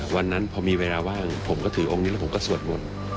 วันนั้นพอมีเวลาว่างผมก็ถือองค์นี้แล้วผมก็สวดมนต์